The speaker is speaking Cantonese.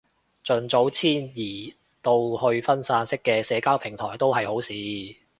盡早遷移到去分散式嘅社交平台都係好事